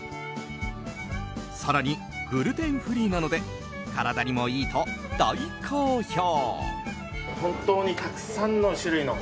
更にグルテンフリーなので体にもいいと大好評！